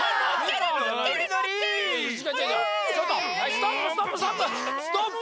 ストップストップストップ！